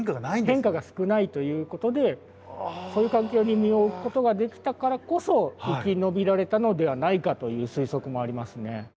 変化が少ないということでそういう環境に身を置くことができたからこそ生き延びられたのではないかという推測もありますね。